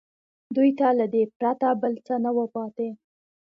دوی ته له دې پرته بل څه نه وو پاتې